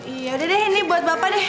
yaudah deh ini buat bapak deh